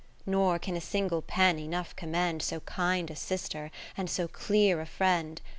Nor can a single pen enough com mend So kind a sister and so clear a friend.